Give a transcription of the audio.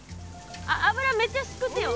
油めっちゃすくってよ。